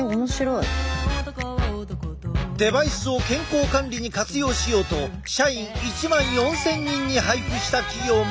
デバイスを健康管理に活用しようと社員１万４，０００人に配布した企業まで。